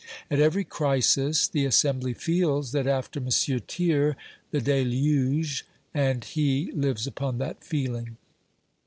At every crisis the Assembly feels that after M. Thiers "the deluge," and he lives upon that feeling.